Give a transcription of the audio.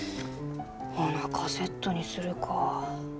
ほなカセットにするか。